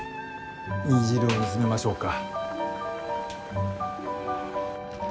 煮汁を煮つめましょうか。